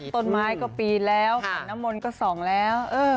ต้นไม้ก็ปีนแล้วผ่านน้ำมนต์ก็๒แล้ว